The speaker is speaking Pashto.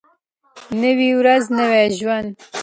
نوی ورځ نوی ژوند.